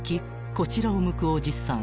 こちらを向くおじさん］